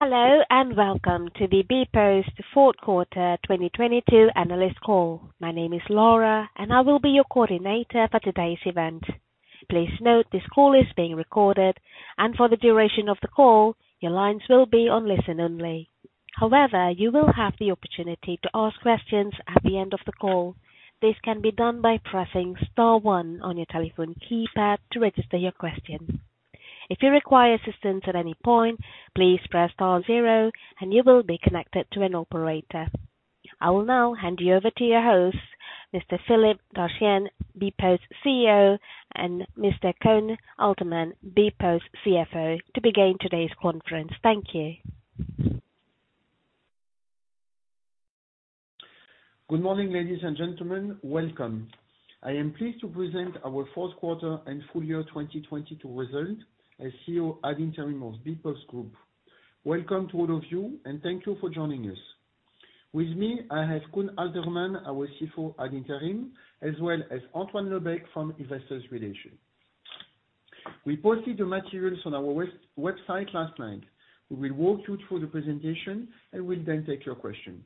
Hello, and welcome to the bpost Group fourth quarter 2022 analyst call. My name is Laura, and I will be your coordinator for today's event. Please note this call is being recorded, and for the duration of the call, your lines will be on listen only. However, you will have the opportunity to ask questions at the end of the call. This can be done by pressing star one on your telephone keypad to register your question. If you require assistance at any point, please press star zero and you will be connected to an operator. I will now hand you over to your host, Mr. Philippe Dartienne, bpost CEO ad interim, and Mr. Koen Aelterman, bpost Group CFO ad interim, to begin today's conference. Thank you. Good morning, ladies and gentlemen. Welcome. I am pleased to present our fourth quarter and full year 2022 result as CEO ad interim of bpost Group. Welcome to all of you, thank you for joining us. With me, I have Koen Aelterman, our CFO ad interim, as well as Antoine Lebecq from investor relations. We posted the materials on our website last night. We will walk you through the presentation and we'll then take your question.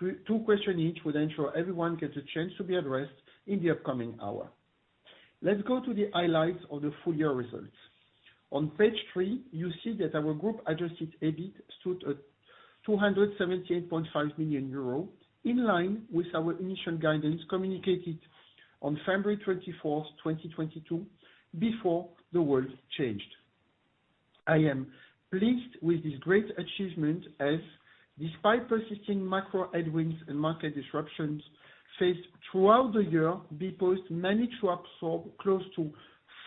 Two question each will ensure everyone gets a chance to be addressed in the upcoming hour. Let's go to the highlights of the full year results. On page 3, you see that our group adjusted EBIT stood at 278.5 million euro, in line with our initial guidance communicated on February 24, 2022, before the world changed. I am pleased with this great achievement as despite persisting macro headwinds and market disruptions faced throughout the year, bpost Group managed to absorb close to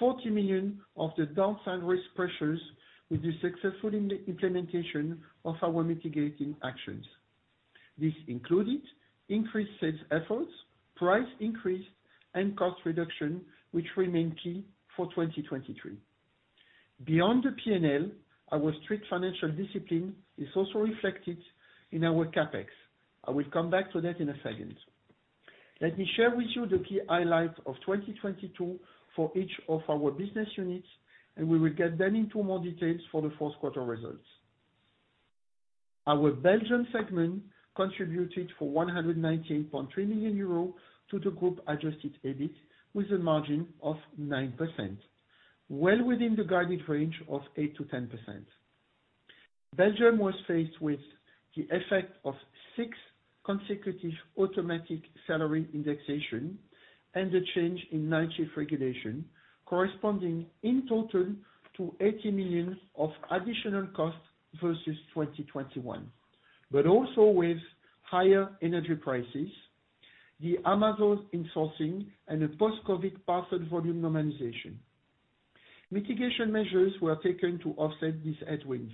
40 million of the downside risk pressures with the successful implementation of our mitigating actions. This included increased sales efforts, price increase, and cost reduction, which remain key for 2023. Beyond the P&L, our strict financial discipline is also reflected in our CapEx. I will come back to that in a second. Let me share with you the key highlights of 2022 for each of our business units, and we will get then into more details for the fourth quarter results. Our Belgium segment contributed for 198.3 million euro to the group adjusted EBIT with a margin of 9%, well within the guided range of 8%-10%. Belgium was faced with the effect of six consecutive automatic salary indexation and the change in night shift regulation, corresponding in total to 80 million of additional costs versus 2021. Also with higher energy prices, the Amazon insourcing, and a post-COVID parcel volume normalization. Mitigation measures were taken to offset these headwinds,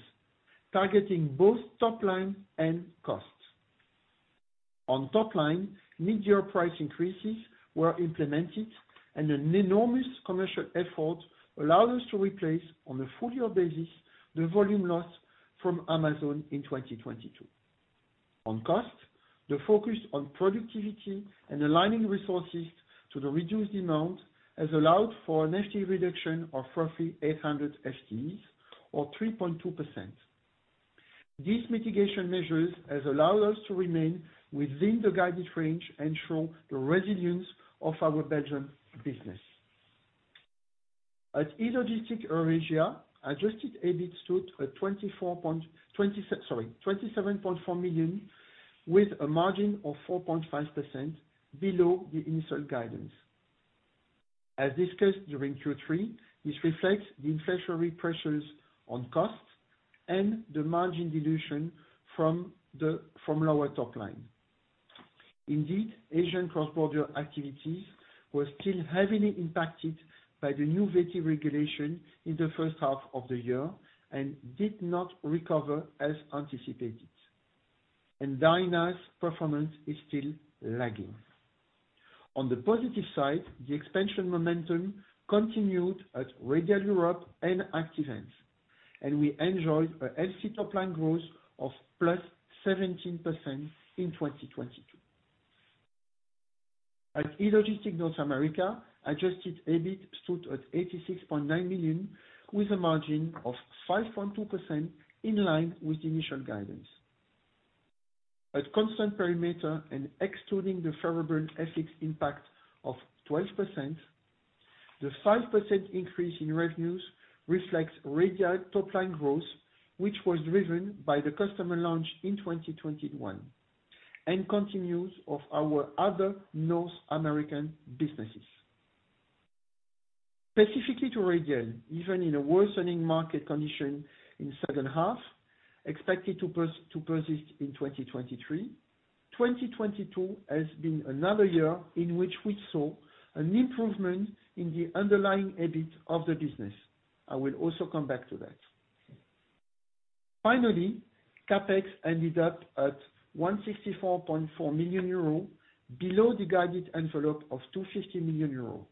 targeting both top line and costs. On top line, mid-year price increases were implemented and an enormous commercial effort allowed us to replace, on a full year basis, the volume loss from Amazon in 2022. On cost, the focus on productivity and aligning resources to the reduced amount has allowed for a nat reduction of roughly 800 FTEs or 3.2%. These mitigation measures have allowed us to remain within the guided range and show the resilience of our Belgium business. At E-Logistics Eurasia, adjusted EBIT stood at 27.4 million with a margin of 4.5% below the initial guidance. As discussed during Q3, this reflects the inflationary pressures on costs and the margin dilution from lower top line. Asian cross-border activities were still heavily impacted by the new VAT regulation in the first half of the year and did not recover as anticipated. Dynalogic's performance is still lagging. On the positive side, the expansion momentum continued at Radial Europe and Active Ants, we enjoyed a healthy top line growth of +17% in 2022. At E-Logistics North America, adjusted EBIT stood at 86.9 million, with a margin of 5.2% in line with the initial guidance. At constant perimeter and extruding the favorable FX impact of 12%, the 5% increase in revenues reflects Radial's top line growth, which was driven by the customer launch in 2021 and continues of our other North American businesses. Specifically to Radial, even in a worsening market condition in second half, expected to persist in 2023, 2022 has been another year in which we saw an improvement in the underlying EBIT of the business. I will also come back to that. Finally, CapEx ended up at 164.4 million euros, below the guided envelope of 250 million euros.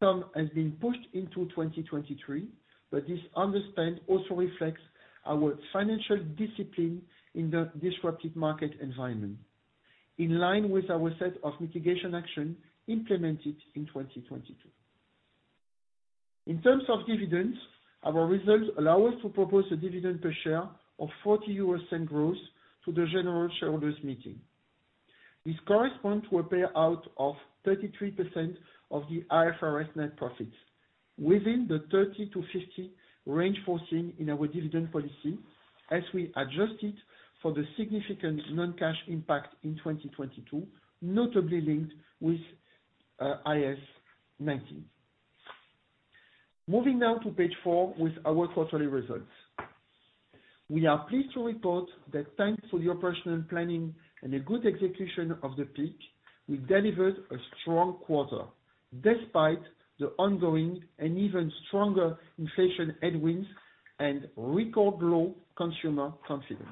Some has been pushed into 2023, this underspend also reflects our financial discipline in the disruptive market environment, in line with our set of mitigation action implemented in 2022. In terms of dividends, our results allow us to propose a dividend per share of 0.40 growth to the General Shareholders' Meeting. This corresponds to a payout of 33% of the IFRS net profits within the 30%-50% range, forcing in our dividend policy as we adjust it for the significant non-cash impact in 2022, notably linked with IAS 19. Moving now to page 4 with our quarterly results. We are pleased to report that thanks to the operational planning and a good execution of the peak, we delivered a strong quarter despite the ongoing and even stronger inflation headwinds and record low consumer confidence.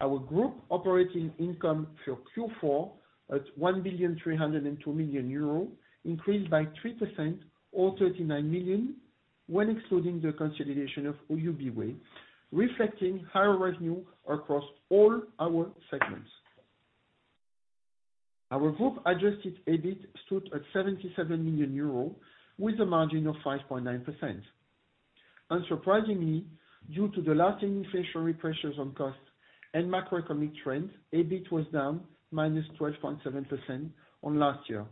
Our group operating income for Q4 at 1 ,302 million, increased by 3% or 39 million when excluding the consolidation of Ubiway, reflecting higher revenue across all our segments. Our group adjusted EBIT stood at EUR 77 million with a margin of 5.9%. Unsurprisingly, due to the lasting inflationary pressures on costs and macroeconomic trends, EBIT was down 12.7% on last year.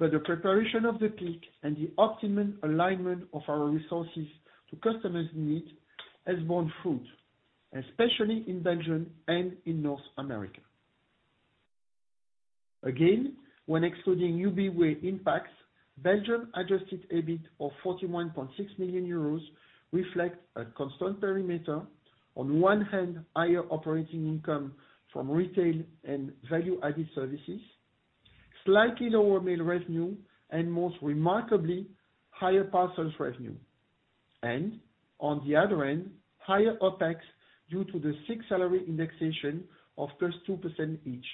The preparation of the peak and the optimum alignment of our resources to customers' needs has borne fruit, especially in Belgium and in North America. Again, when excluding Ubiway impacts, Belgium adjusted EBIT of 41.6 million euros reflect a constant perimeter. On one hand, higher operating income from retail and value-added services, slightly lower mail revenue, and most remarkably, higher parcels revenue. On the other end, higher OpEx due to the six salary indexation of +2% each,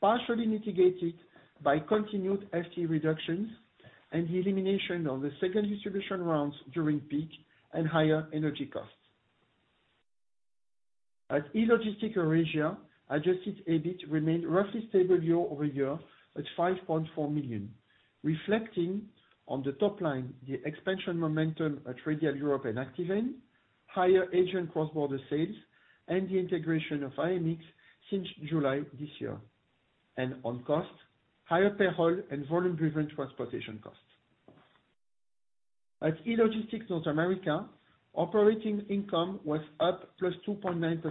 partially mitigated by continued FTE reductions and the elimination of the second distribution rounds during peak and higher energy costs. At E-Logistics Eurasia, adjusted EBIT remained roughly stable year-over-year at 5.4 million, reflecting on the top line the expansion momentum at Radial Europe and Active Ants, higher agent cross-border sales, and the integration of IMX since July this year. On cost, higher payroll and volume-driven transportation costs. At E-Logistics North America, operating income was up +2.9%.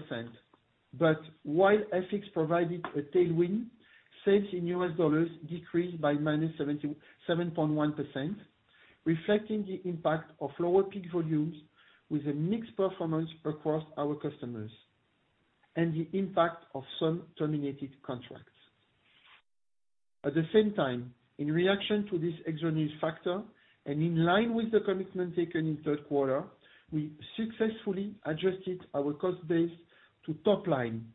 While FX provided a tailwind, sales in U.S. dollars decreased by 77.1%, reflecting the impact of lower peak volumes with a mixed performance across our customers and the impact of some terminated contracts. At the same time, in reaction to this exogenous factor and in line with the commitment taken in third quarter, we successfully adjusted our cost base to top line.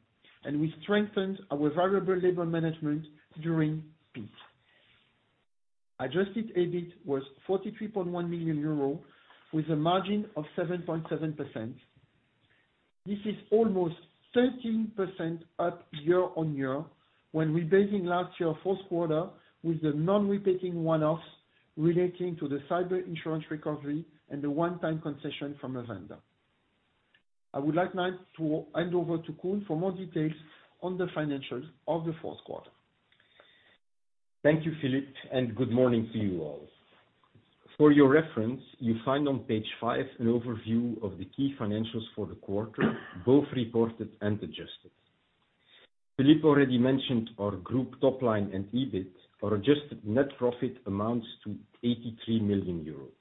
We strengthened our variable labor management during peak. adjusted EBIT was 43.1 million euro with a margin of 7.7%. This is almost 13% up year-over-year when rebasing last year fourth quarter with the non-repeating one-offs relating to the cyber insurance recovery and the one-time concession from a vendor. I would like now to hand over to Koen for more details on the financials of the fourth quarter. Thank you, Philippe. Good morning to you all. For your reference, you find on page 5 an overview of the key financials for the quarter, both reported and adjusted. Philippe already mentioned our group top line and EBIT. Our adjusted net profit amounts to 83 million euros.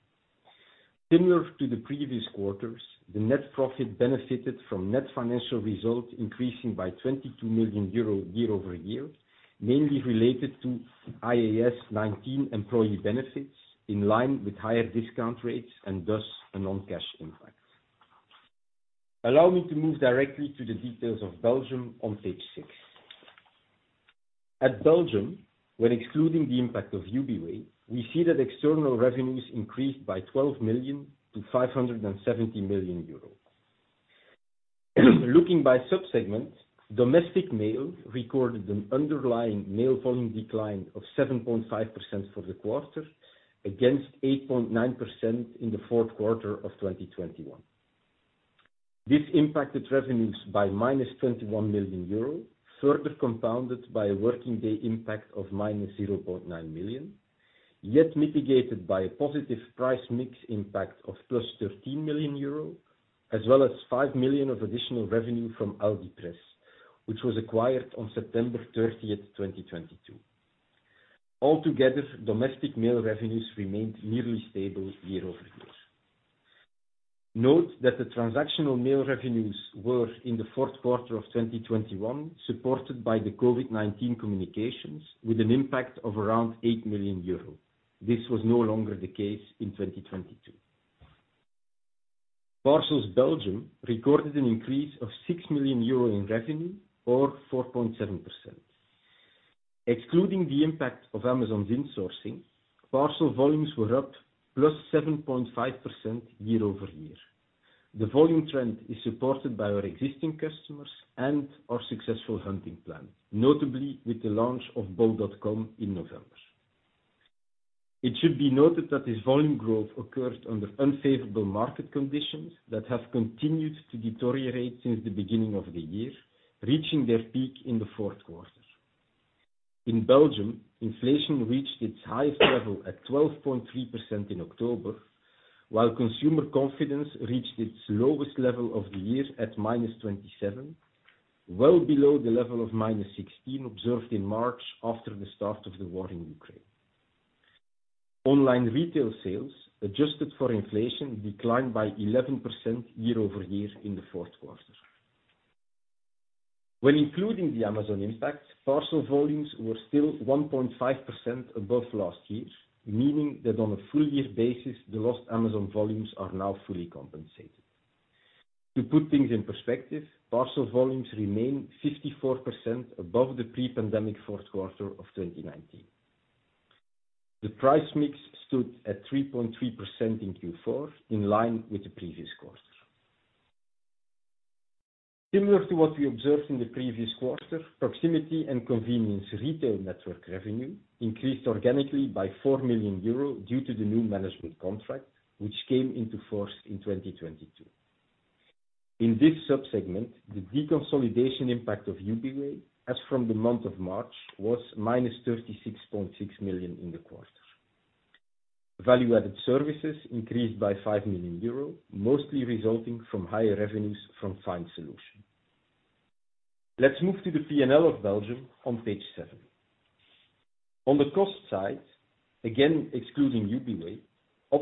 Similar to the previous quarters, the net profit benefited from net financial results increasing by 22 million euro year-over-year, mainly related to IAS 19 employee benefits in line with higher discount rates and thus a non-cash impact. Allow me to move directly to the details of Belgium on page 6. At Belgium, when excluding the impact of Ubiway, we see that external revenues increased by 12 million to 570 million euros. Looking by sub-segment, Domestic Mail recorded an underlying mail volume decline of 7.5% for the quarter, against 8.9% in the fourth quarter of 2021. This impacted revenues by 21 million euros, further compounded by a working day impact of -0.9 million, yet mitigated by a positive price mix impact of 13 million euros, as well as 5 million of additional revenue from Aldipress, which was acquired on September 30, 2022. Altogether, Domestic Mail revenues remained nearly stable year-over-year. Note that the transactional mail revenues were in the fourth quarter of 2021, supported by the COVID-19 communications with an impact of around 8 million euros. This was no longer the case in 2022. Parcels Belgium recorded an increase of 6 million euro in revenue or 4.7%. Excluding the impact of Amazon's insourcing, parcel volumes were up plus 7.5% year-over-year. The volume trend is supported by our existing customers and our successful hunting plan, notably with the launch of bol.com in November. It should be noted that this volume growth occurs under unfavorable market conditions that have continued to deteriorate since the beginning of the year, reaching their peak in the fourth quarter. In Belgium, inflation reached its highest level at 12.3% in October, while consumer confidence reached its lowest level of the year at -27, well below the level of -16 observed in March after the start of the war in Ukraine. Online retail sales, adjusted for inflation, declined by 11% year-over-year in the fourth quarter. When including the Amazon impact, parcel volumes were still 1.5% above last year's, meaning that on a full year basis, the lost Amazon volumes are now fully compensated. To put things in perspective, parcel volumes remain 54% above the pre-pandemic fourth quarter of 2019. The price mix stood at 3.3% in Q4, in line with the previous quarter. Similar to what we observed in the previous quarter, proximity and convenience retail network revenue increased organically by 4 million euros due to the new management contract, which came into force in 2022. In this subsegment, the deconsolidation impact of Ubiway as from the month of March was minus 36.6 million in the quarter. Value-added services increased by 5 million euro, mostly resulting from higher revenues from find solution. Let's move to the P&L of Belgium on page 7. On the cost side, again excluding Ubiway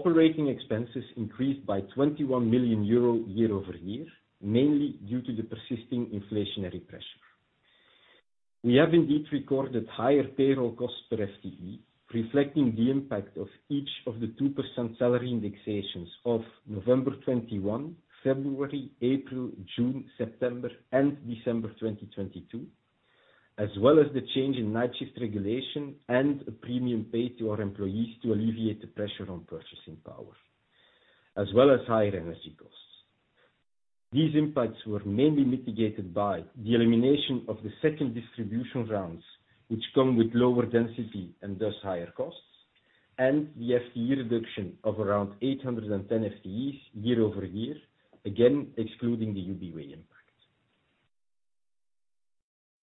Retail, OpEx increased by 21 million euro year-over-year, mainly due to the persisting inflationary pressure. We have indeed recorded higher payroll costs per FTE, reflecting the impact of each of the 2% salary indexations of November 2021, February, April, June, September, and December 2022, as well as the change in night shift regulation and a premium paid to our employees to alleviate the pressure on purchasing power, as well as higher energy costs. These impacts were mainly mitigated by the elimination of the second distribution rounds, which come with lower density and thus higher costs, and the FTE reduction of around 810 FTEs year-over-year, again excluding the Ubiway Retail impact.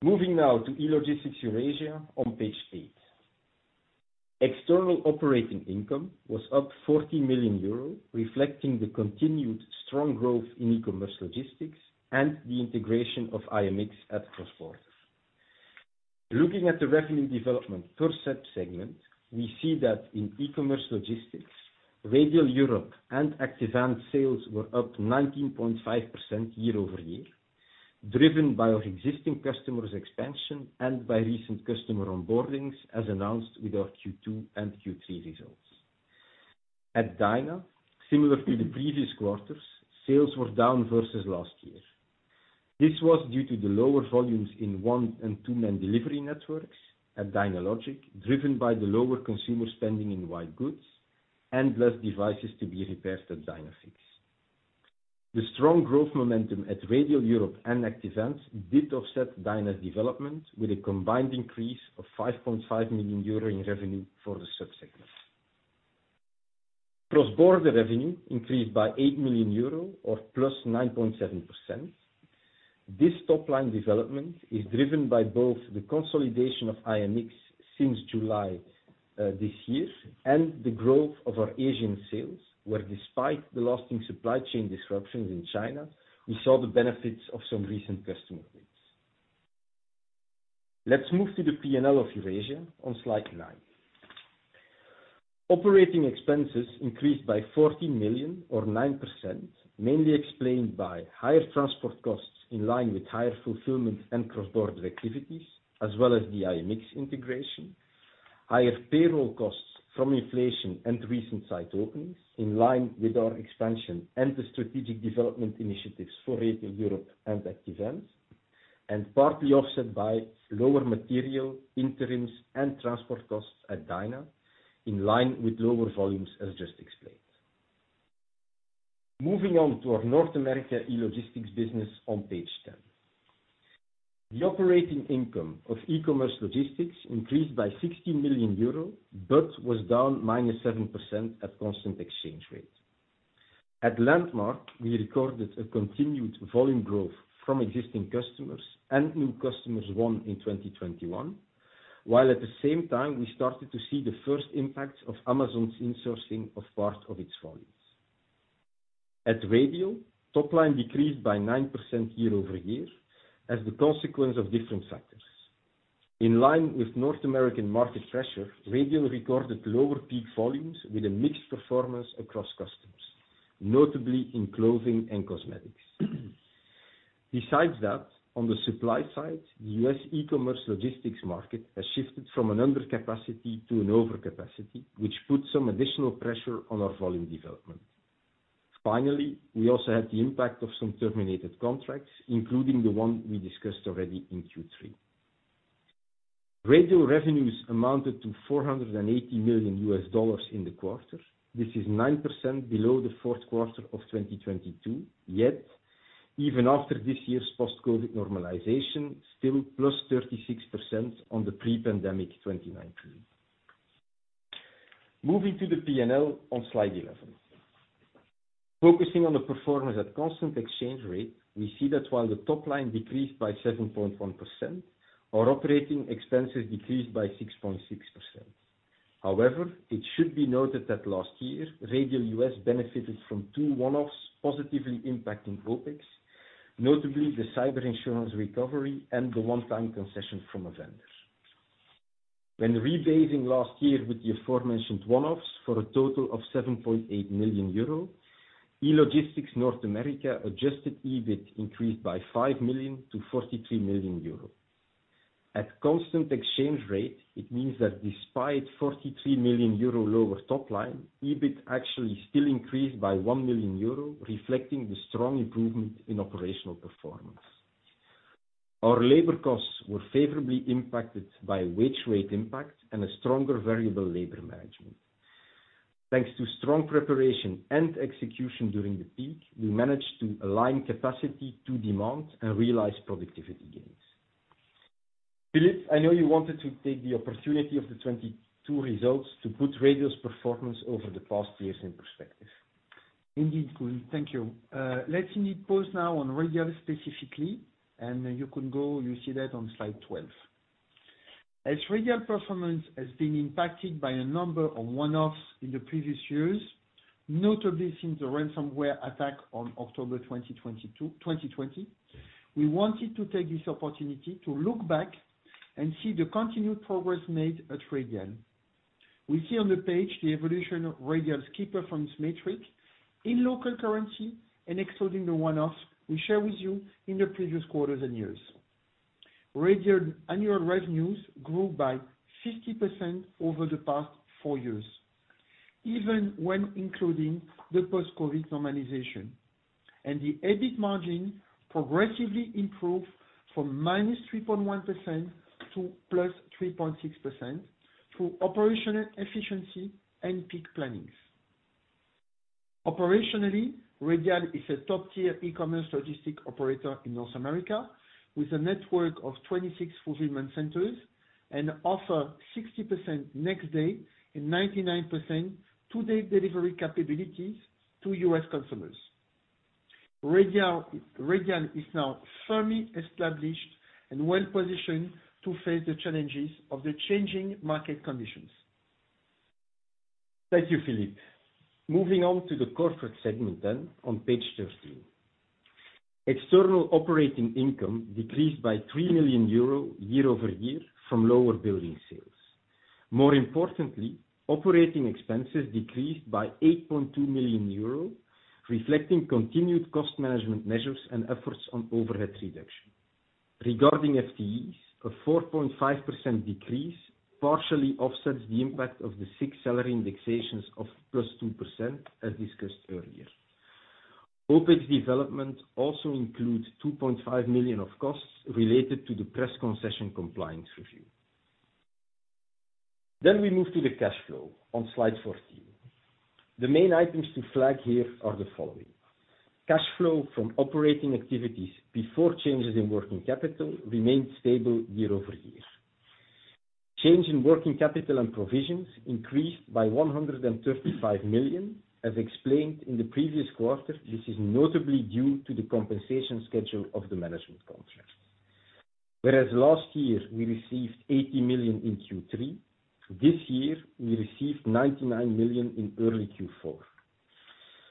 Moving now to E-Logistics Eurasia on page 8. External operating income was up 40 million euros, reflecting the continued strong growth in e-commerce logistics and the integration of IMX at Cross-Border. Looking at the revenue development per subsegment, we see that in e-commerce logistics, Radial Europe and Active Ants sales were up 19.5% year-over-year, driven by our existing customers expansion and by recent customer onboardings as announced with our Q2 and Q3 results. At Dyna, similar to the previous quarters, sales were down versus last year. This was due to the lower volumes in one and two-man delivery networks at Dynalogic, driven by the lower consumer spending in wide goods and less devices to be repaired at Dynafix. The strong growth momentum at Radial Europe and Active Ants did offset Dyna's development with a combined increase of 5.5 million euro in revenue for the subsegments. CrossBorder revenue increased by 8 million euros or 9.7%. This top line development is driven by both the consolidation of IMX since July this year and the growth of our Asian sales, where despite the lasting supply chain disruptions in China, we saw the benefits of some recent customer wins. Let's move to the P&L of Eurasia on slide 9. Operating expenses increased by 14 million or 9%, mainly explained by higher transport costs in line with higher fulfillment and cross-border activities, as well as the IMX integration, higher payroll costs from inflation and recent site openings in line with our expansion and the strategic development initiatives for Radial Europe and Active Ants, and partly offset by lower material, interims, and transport costs at Dyna in line with lower volumes as just explained. Moving on to our North America e-commerce logistics business on page 10. The operating income of e-commerce logistics increased by 16 million euros, but was down 7% at constant exchange rate. At Landmark, we recorded a continued volume growth from existing customers and new customers won in 2021, while at the same time, we started to see the first impact of Amazon's insourcing of part of its volumes. At Radial, top line decreased by 9% year-over-year as the consequence of different factors. In line with North American market pressure, Radial recorded lower peak volumes with a mixed performance across customers, notably in clothing and cosmetics. Besides that, on the supply side, the U.S. e-commerce logistics market has shifted from an undercapacity to an overcapacity, which puts some additional pressure on our volume development. Finally, we also had the impact of some terminated contracts, including the one we discussed already in Q3. Radial revenues amounted to $480 million in the quarter. This is 9% below the fourth quarter of 2022. Yet, even after this year's post-COVID normalization, still plus 36% on the pre-pandemic 2019. Moving to the P&L on slide 11. Focusing on the performance at constant exchange rate, we see that while the top line decreased by 7.1%, our operating expenses decreased by 6.6%. However, it should be noted that last year, Radial U.S. benefited from two one-offs positively impacting OpEx, notably the cyber insurance recovery and the one-time concession from a vendor. When rebasing last year with the aforementioned one-offs for a total of 7.8 million euro, E-Logistics North America adjusted EBIT increased by 5 million to 43 million euro. At constant exchange rate, it means that despite 43 million euro lower top line, EBIT actually still increased by 1 million euro, reflecting the strong improvement in operational performance. Our labor costs were favorably impacted by wage rate impact and a stronger variable labor management. Thanks to strong preparation and execution during the peak, we managed to align capacity to demand and realize productivity gains. Philippe, I know you wanted to take the opportunity of the 2022 results to put Radial's performance over the past years in perspective. Indeed, Koen. Thank you. Let me pause now on Radial specifically, and you can go. You see that on slide 12. As Radial performance has been impacted by a number of one-offs in the previous years, notably since the ransomware attack on October 2020, we wanted to take this opportunity to look back and see the continued progress made at Radial. We see on the page the evolution of Radial's key performance metric in local currency and excluding the one-offs we share with you in the previous quarters and years. Radial annual revenues grew by 50% over the past four years, even when including the post-COVID normalization. The EBIT margin progressively improved from -3.1% to 3.6% through operational efficiency and peak plannings. Operationally, Radial is a top-tier e-commerce logistic operator in North America with a network of 26 fulfillment centers and offer 60% next day and 99% two-day delivery capabilities to U.S. consumers. Radial is now firmly established and well-positioned to face the challenges of the changing market conditions. Thank you, Philippe. Moving on to the corporate segment on page 13. External operating income decreased by 3 million euro year-over-year from lower building sales. More importantly, operating expenses decreased by 8.2 million euros, reflecting continued cost management measures and efforts on overhead reduction. Regarding FTEs, a 4.5% decrease partially offsets the impact of the six salary indexations of +2%, as discussed earlier. OpEx development also includes 2.5 million of costs related to the press concession compliance review. We move to the cash flow on slide 14. The main items to flag here are the following: Cash flow from operating activities before changes in working capital remained stable year-over-year. Change in working capital and provisions increased by 135 million. As explained in the previous quarter, this is notably due to the compensation schedule of the management contract. Last year we received 80 million in Q3, this year we received 99 million in early Q4.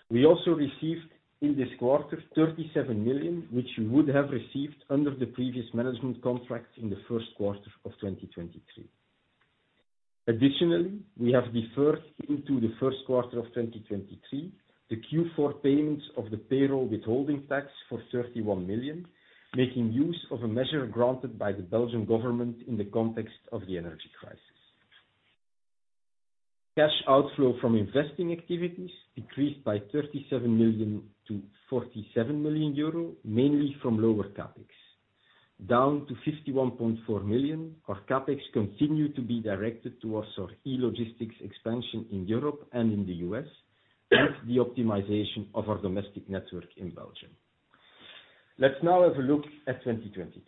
We also received in this quarter 37 million, which we would have received under the previous management contract in the first quarter of 2023. We have deferred into the first quarter of 2023 the Q4 payments of the payroll withholding tax for 31 million, making use of a measure granted by the Belgian government in the context of the energy crisis. Cash outflow from investing activities decreased by 37 million to 47 million euro, mainly from lower CapEx. Down to 51.4 million, our CapEx continue to be directed towards our e-logistics expansion in Europe and in the U.S., plus the optimization of our domestic network in Belgium. Let's now have a look at 2023.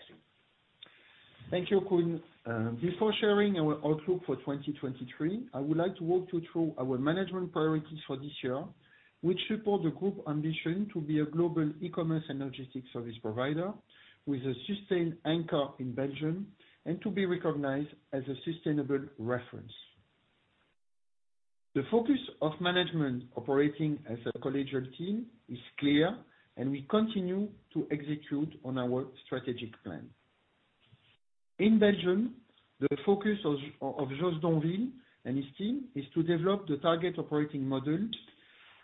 Thank you, Koen. Before sharing our outlook for 2023, I would like to walk you through our management priorities for this year, which support the group ambition to be a global e-commerce and logistics service provider with a sustained anchor in Belgium and to be recognized as a sustainable reference. The focus of management operating as a collegial team is clear, and we continue to execute on our strategic plan. In Belgium, the focus of Jos Donvil and his team is to develop the target operating model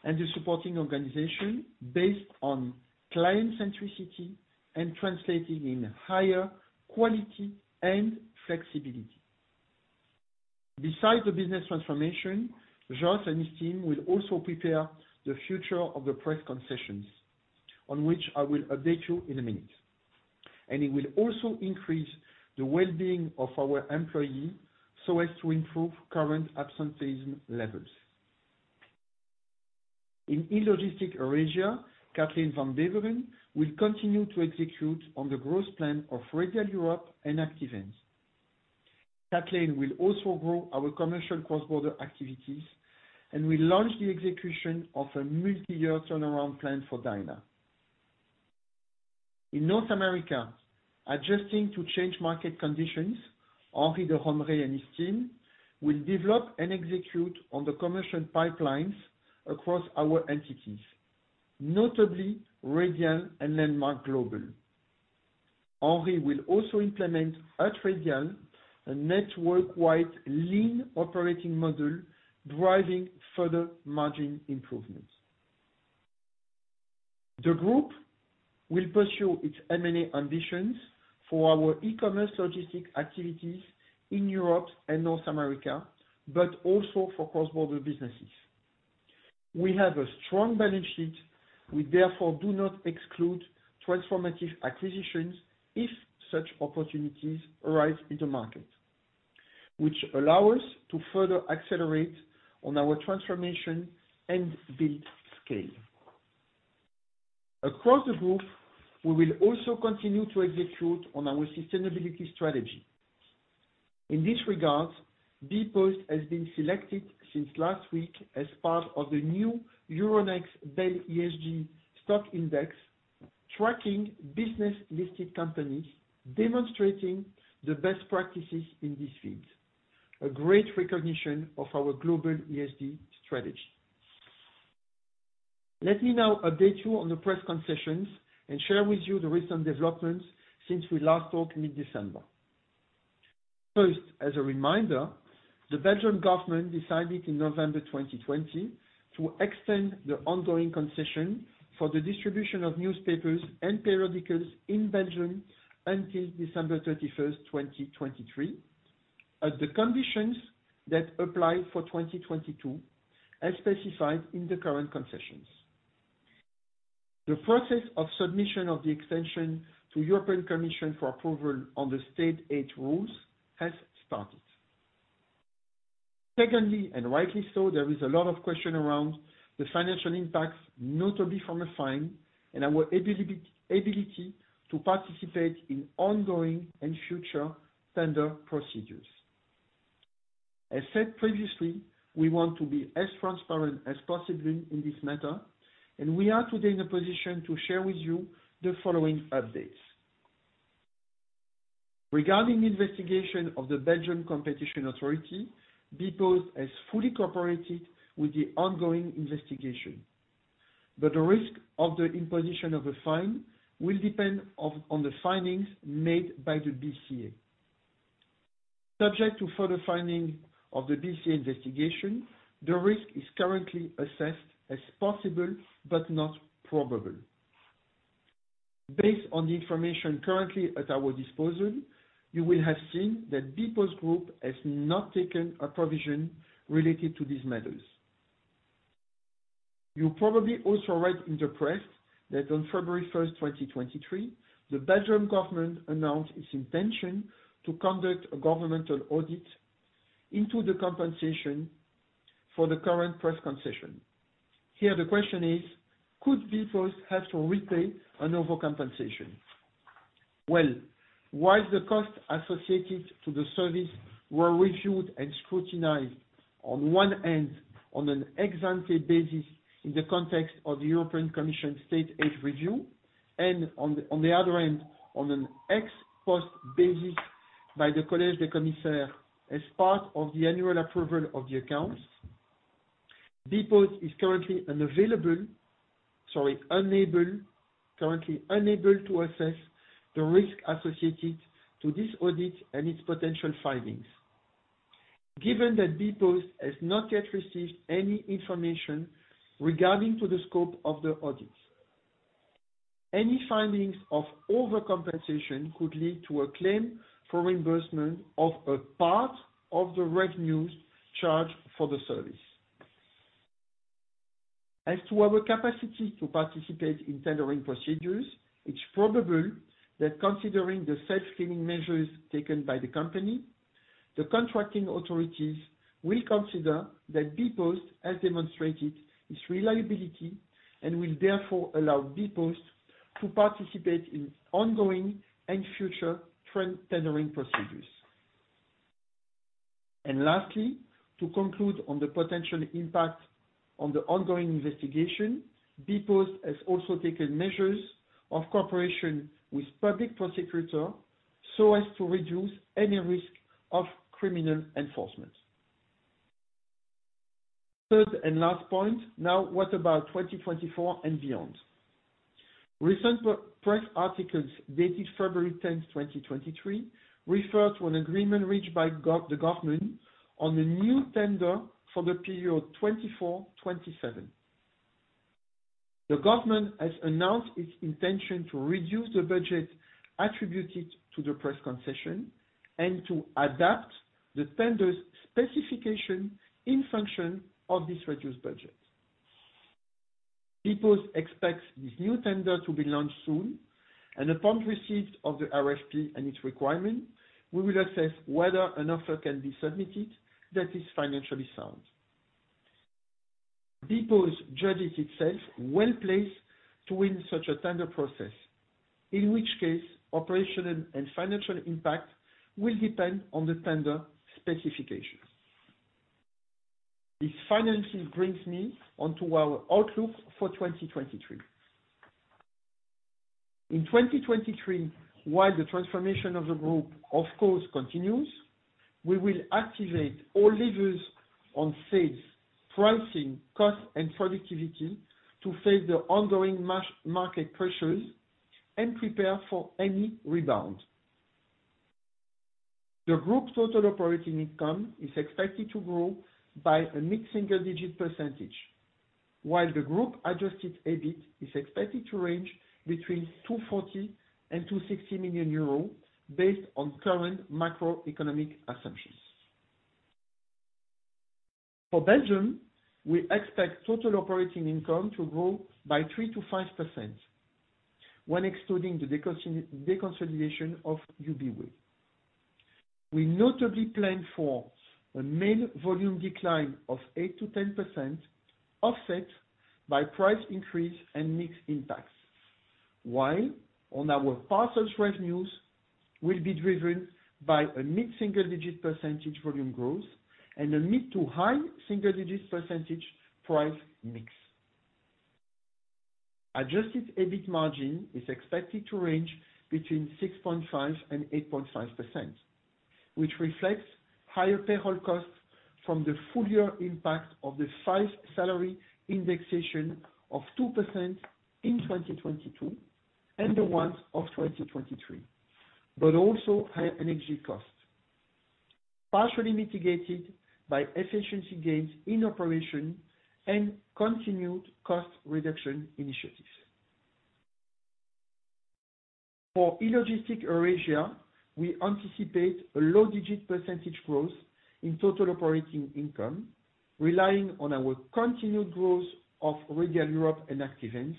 and the supporting organization based on client centricity, translating in higher quality and flexibility. Besides the business transformation, Jos and his team will also prepare the future of the press concessions, on which I will update you in a minute, and it will also increase the well-being of our employee so as to improve current absenteeism levels. In E-Logistics Eurasia, Kathleen Van Beveren will continue to execute on the growth plan of Radial Europe and Active Ants. Kathleen will also grow our commercial cross-border activities. We launch the execution of a multi-year turnaround plan for Dyna. In North America, adjusting to change market conditions, Henri de Romrée and his team will develop and execute on the commercial pipelines across our entities, notably Radial and Landmark Global. Henri will also implement at Radial a network-wide lean operating model, driving further margin improvements. The group will pursue its M&A ambitions for our e-commerce logistic activities in Europe and North America, also for cross-border businesses. We have a strong balance sheet. We therefore do not exclude transformative acquisitions if such opportunities arise in the market, which would allow us to further accelerate on our transformation and build scale. Across the group, we will also continue to execute on our sustainability strategy. In this regard, bpost has been selected since last week as part of the new Euronext BEL ESG stock index, tracking business-listed companies demonstrating the best practices in this field, a great recognition of our global ESG strategy. Let me now update you on the press concessions and share with you the recent developments since we last talked mid-December. First, as a reminder, the Belgian government decided in November 2020 to extend the ongoing concession for the distribution of newspapers and periodicals in Belgium until December 31, 2023, at the conditions that apply for 2022, as specified in the current concessions. The process of submission of the extension to European Commission for approval on the State a aid rules has started. Secondly, rightly so, there is a lot of question around the financial impacts, notably from a fine and our ability to participate in ongoing and future tender procedures. As said previously, we want to be as transparent as possible in this matter. We are today in a position to share with you the following updates. Regarding the investigation of the Belgian Competition Authority, bpost has fully cooperated with the ongoing investigation. The risk of the imposition of a fine will depend on the findings made by the BCA. Subject to further finding of the BCA investigation, the risk is currently assessed as possible, but not probable. Based on the information currently at our disposal, you will have seen that bpost Group has not taken a provision related to these matters. You probably also read in the press that on February 1, 2023, the Belgian government announced its intention to conduct a governmental audit into the compensation for the current press concession. Here the question is: Could bpost have to repay an overcompensation? Well, while the costs associated to the service were reviewed and scrutinized on one end on an ex-ante basis in the context of the European Commission State Aid Review, and on the other end, on an ex-post basis by the Collège des Commissaires as part of the annual approval of the accounts, bpost is currently unable to assess the risk associated with this audit and its potential findings. Given that bpost has not yet received any information regarding to the scope of the audit, any findings of overcompensation could lead to a claim for reimbursement of a part of the revenues charged for the service. As to our capacity to participate in tendering procedures, it's probable that considering the self-scheduling measures taken by the company, the contracting authorities will consider that bpost has demonstrated its reliability and will therefore allow bpost to participate in ongoing and future trend tendering procedures. Lastly, to conclude on the potential impact on the ongoing investigation, bpost has also taken measures of cooperation with public prosecutor so as to reduce any risk of criminal enforcement. Third and last point, now what about 2024 and beyond? Recent press articles dated February 10, 2023, refer to an agreement reached by the government on a new tender for the period 2024-2027. The government has announced its intention to reduce the budget attributed to the press concession and to adapt the tender's specification in function of this reduced budget. bpost expects this new tender to be launched soon, and upon receipt of the RFP and its requirement, we will assess whether an offer can be submitted that is financially sound. bpost judges itself well-placed to win such a tender process, in which case operational and financial impact will depend on the tender specifications. This financially brings me onto our outlook for 2023. In 2023, while the transformation of the group of course continues, we will activate all levers on sales, pricing, cost, and productivity to face the ongoing market pressures and prepare for any rebound. The group's total operating income is expected to grow by a mid-single-digit %, while the group adjusted EBIT is expected to range between 240 million-260 million euros, based on current macroeconomic assumptions. For Belgium, we expect total operating income to grow by 3%-5% when excluding the deconsolidation of Ubiway. We notably plan for a main volume decline of 8%-10%, offset by price increase and mixed impacts. While on our parcels revenues will be driven by a mid-single-digit % volume growth and a mid-to-high single-digit % price mix. Adjusted EBIT margin is expected to range between 6.5% and 8.5%, which reflects higher payroll costs from the full year impact of the five salary indexation of 2% in 2022 and the ones of 2023, but also higher energy costs, partially mitigated by efficiency gains in operation and continued cost reduction initiatives. For E-Logistics Eurasia, we anticipate a low digit percentage growth in total operating income, relying on our continued growth of Radial Europe and Active Ants,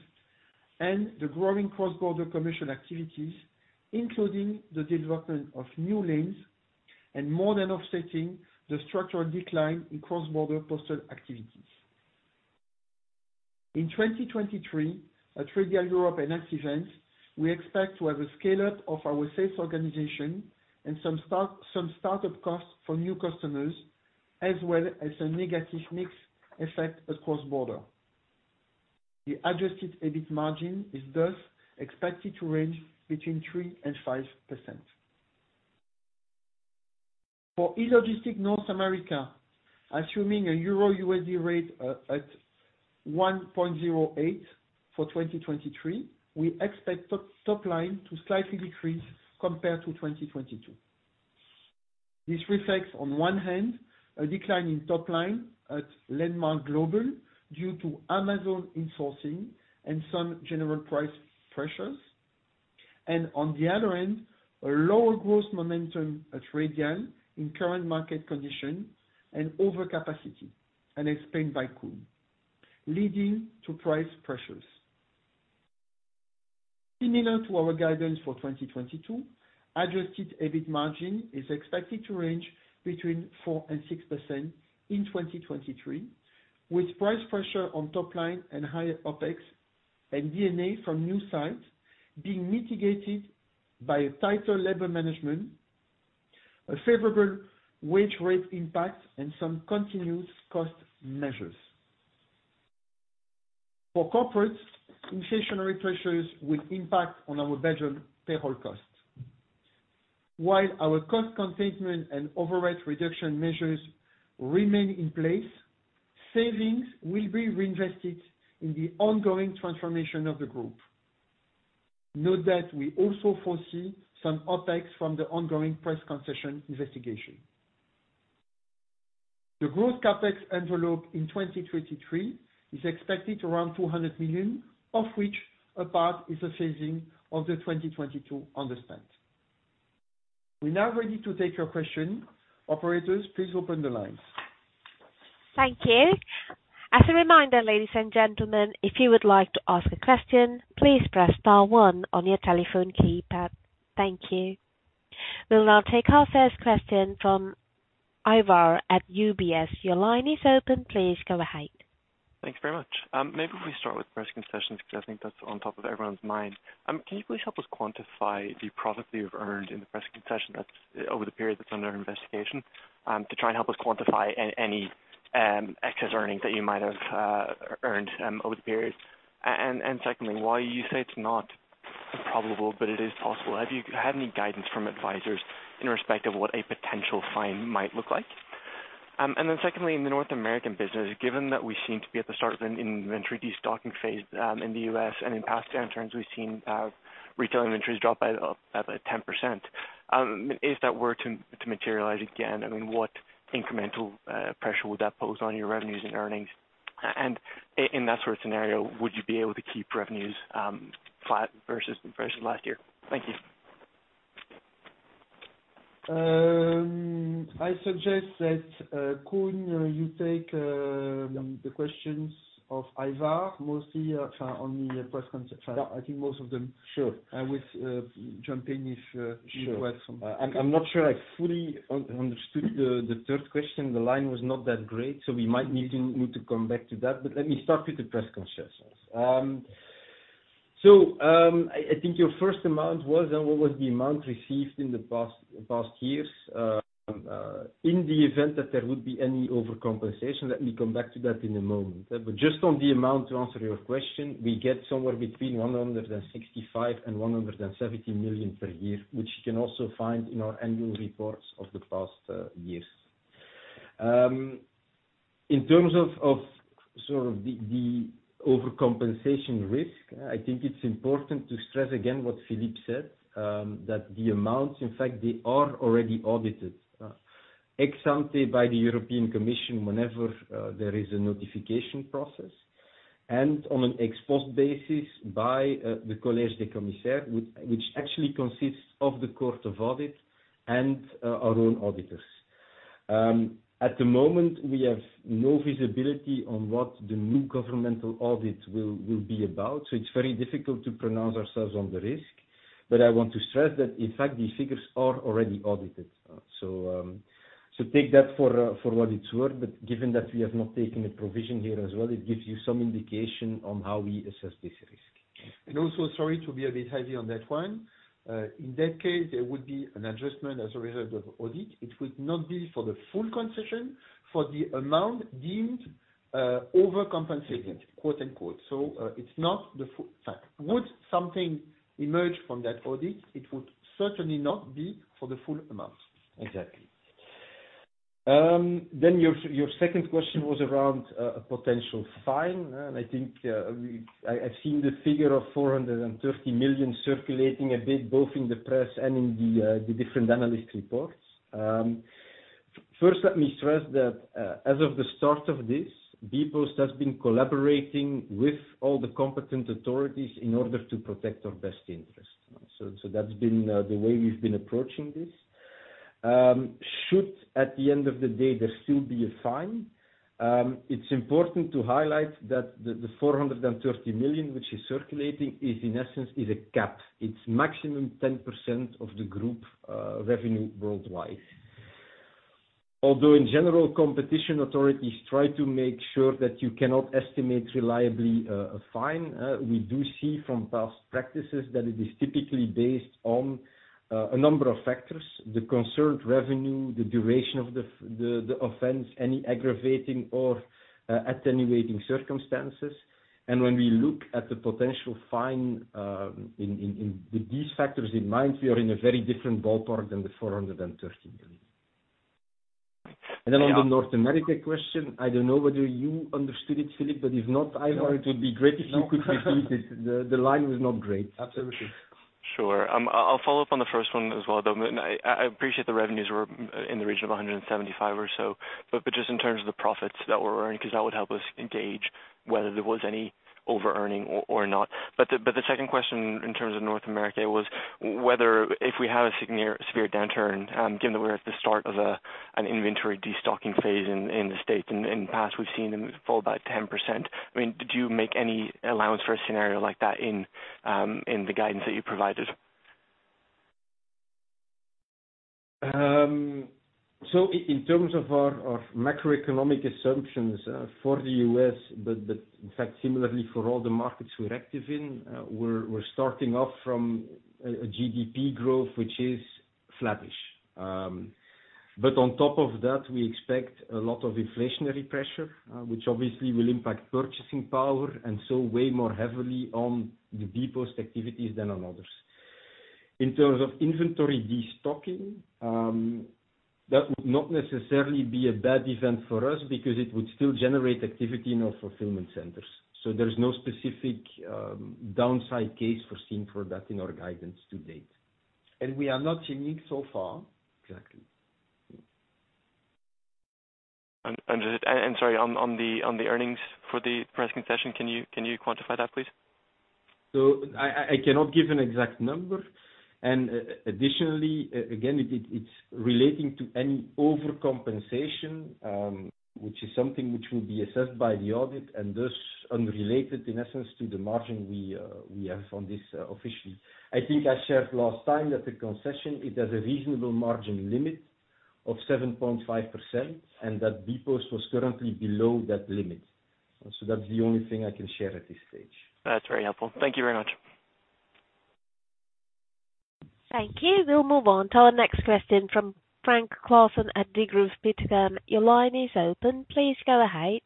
and the growing cross-border commercial activities, including the development of new lanes and more than offsetting the structural decline in cross-border postal activities. In 2023, at Radial Europe and Active Ants, we expect to have a scale-up of our sales organization and some start-up costs for new customers, as well as a negative mix effect at cross-border. The adjusted EBIT margin is thus expected to range between 3% and 5%. For E-Logistics North America, assuming a EUR-USD exchange rate at 1.08 for 2023, we expect top-top line to slightly decrease compared to 2022. This reflects, on one hand, a decline in top line at Landmark Global due to Amazon insourcing and some general price pressures. On the other hand, a lower growth momentum at Radial in current market condition and overcapacity, as explained by Koen, leading to price pressures. Similar to our guidance for 2022, adjusted EBIT margin is expected to range between 4% and 6% in 2023, with price pressure on top line and higher OpEx and D&A from new sites being mitigated by a tighter labor management, a favorable wage rate impact, and continued cost measures. For corporates, inflationary pressures will impact on our Belgium payroll costs. While our cost containment and overhead reduction measures remain in place, savings will be reinvested in the ongoing transformation of the group. Note that we also foresee some OpEx from the ongoing press concession investigation. The growth CapEx envelope in 2023 is expected around 200 million, of which a part is a phasing of the 2022 understand. We're now ready to take your question. Operators, please open the lines. Thank you. As a reminder, ladies and gentlemen, if you would like to ask a question, please press star one on your telephone keypad. Thank you. We'll now take our first question from Ivar at UBS. Your line is open. Please go ahead. Thanks very much. Maybe if we start with press concessions, because I think that's on top of everyone's mind. Can you please help us quantify the profit you've earned in the press concession over the period that's under investigation, to try and help us quantify any excess earnings that you might have earned over the period? Secondly, while you say it's not probable, but it is possible, have you had any guidance from advisors in respect of what a potential fine might look like? Secondly, in the North American business, given that we seem to be at the start of an inventory de-stocking phase, in the U.S., in past downturns, we've seen retail inventories drop by 10%. If that were to materialize again, I mean, what incremental pressure would that pose on your revenues and earnings? In that sort of scenario, would you be able to keep revenues flat versus last year? Thank you. I suggest that Koen, you take the questions of Ivar mostly I think most of them. Sure. I will jump in if you want me to add something. Sure. I'm not sure I fully understood the third question. The line was not that great, so we might need to come back to that. Let me start with the press concessions. I think your first amount was, what was the amount received in the past years. In the event that there would be any overcompensation, let me come back to that in a moment. Just on the amount to answer your question, we get somewhere between 165 million and 170 million per year, which you can also find in our annual reports of the past years. In terms of sort of the overcompensation risk, I think it's important to stress again what Philippe said, that the amounts, in fact, they are already audited, ex ante by the European Commission whenever there is a notification process. On an ex-post basis by the Collège des Commissaires, which actually consists of the Court of Audit and our own auditors. At the moment, we have no visibility on what the new governmental audit will be about, so it's very difficult to pronounce ourselves on the risk. I want to stress that, in fact, these figures are already audited. So take that for what it's worth, but given that we have not taken a provision here as well, it gives you some indication on how we assess this risk. Also, sorry to be a bit heavy on that one. In that case, there would be an adjustment as a result of audit. It would not be for the full concession for the amount deemed, overcompensated, quote-unquote. It's not the full fact. Would something emerge from that audit? It would certainly not be for the full amount. Exactly. then your second question was around a potential fine. I think I've seen the figure of 430 million circulating a bit, both in the press and in the different analyst reports. First let me stress that as of the start of this, bpost has been collaborating with all the competent authorities in order to protect our best interest. That's been the way we've been approaching this. Should at the end of the day there still be a fine, it's important to highlight that the 430 million, which is circulating, is in essence is a cap. It's maximum 10% of the group revenue worldwide. Although in general, competition authorities try to make sure that you cannot estimate reliably, a fine, we do see from past practices that it is typically based on a number of factors: the concerned revenue, the duration of the offense, any aggravating or attenuating circumstances. When we look at the potential fine, with these factors in mind, we are in a very different ballpark than the 430 million. On the North America question, I don't know whether you understood it, Philippe, but if not, Ivar, it would be great if you could repeat it. The line was not great. Absolutely. Sure. I'll follow up on the first one as well, though. I appreciate the revenues were in the region of 175 or so, but just in terms of the profits earned, 'cause that would help us engage whether there was any overearning or not. The second question in terms of North America was whether if we have a severe downturn, given that we're at the start of an inventory destocking phase in the .US. In the past, we've seen them fall by 10%. I mean, did you make any allowance for a scenario like that in the guidance that you provided? In terms of our macroeconomic assumptions for the U.S., but in fact similarly for all the markets we're active in, we're starting off from a GDP growth which is flattish. On top of that, we expect a lot of inflationary pressure, which obviously will impact purchasing power, weigh more heavily on the bpost activities than on others. In terms of inventory destocking, that would not necessarily be a bad event for us because it would still generate activity in our fulfillment centers. There's no specific downside case foreseen for that in our guidance to date. We are not unique so far. Exactly. sorry, on the earnings for the press concession, can you quantify that, please? I cannot give an exact number. Additionally, again, it's relating to any overcompensation, which is something which will be assessed by the audit and thus unrelated in essence to the margin we have on this officially. I think I shared last time that the concession is at a reasonable margin limit of 7.5%, and that bpost was currently below that limit. That's the only thing I can share at this stage. That's very helpful. Thank you very much. Thank you. We'll move on to our next question from Frank Claassen at Degroof Petercam. Your line is open. Please go ahead.